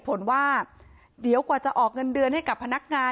เพราะไม่มีเงินไปกินหรูอยู่สบายแบบสร้างภาพ